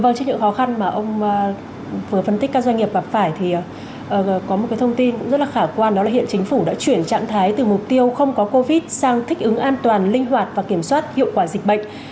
vâng trước những khó khăn mà ông vừa phân tích các doanh nghiệp gặp phải thì có một thông tin cũng rất là khả quan đó là hiện chính phủ đã chuyển trạng thái từ mục tiêu không có covid sang thích ứng an toàn linh hoạt và kiểm soát hiệu quả dịch bệnh